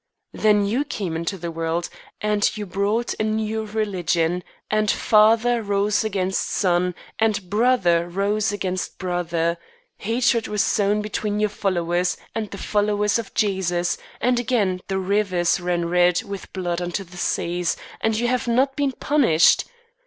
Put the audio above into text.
Then you came into the world, and you brought a new religion, and father rose against father, and brother rose against brother; hatred was sown between your followers and the followers of Jesus, and again the rivers ran red with blood unto the seas; and you have not been punished.